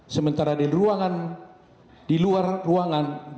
sementara di luar ruangan dan di luar rumah kita